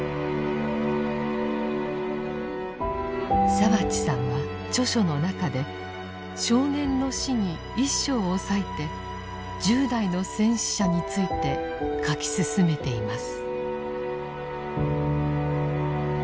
澤地さんは著書の中で「少年の死」に１章を割いて１０代の戦死者について書き進めています。